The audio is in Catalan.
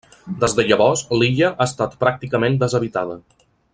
Des de llavors l'illa ha estat pràcticament deshabitada.